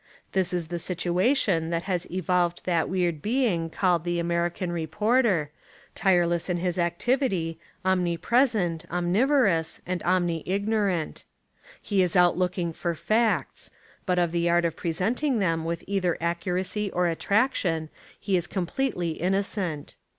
This Is the situation that has evolved that weird being called the American Reporter, tireless in his activity, omnipresent, omnivorous, and omnl lgnorant. He Is out looking for facts, but of the art of presenting them with either accuracy or attraction he is completely inno cent.